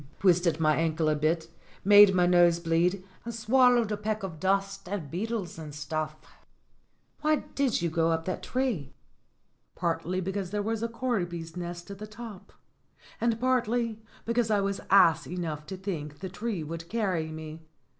"Twisted my ankle a bit, made my nose bleed, and swallowed a peck of dust and beetles and stuff." THE KEY OF THE HEN HOUSE 167 "Why did you go up that tree?" "Partly because there was a corby's nest at the top, and partly because I was ass enough to think the tree would carry me.